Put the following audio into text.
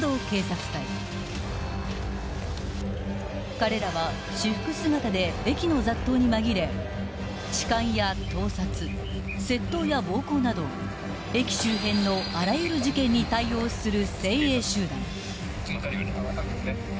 ［彼らは私服姿で駅の雑踏に紛れ痴漢や盗撮窃盗や暴行など駅周辺のあらゆる事件に対応する］